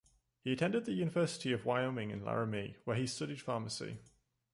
He attended the University of Wyoming in Laramie, where he studied pharmacy.